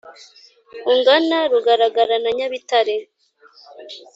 ungana rugaragara na nyabitare